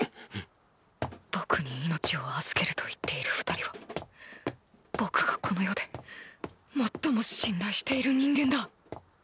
僕に命を預けると言っている二人は僕がこの世で最も信頼している人間だ。